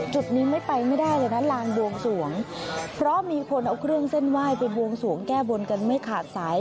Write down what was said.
จุดนี้ไม่ไปไม่ได้เลยนะลานบวงสวงเพราะมีคนเอาเครื่องเส้นไหว้ไปบวงสวงแก้บนกันไม่ขาดสาย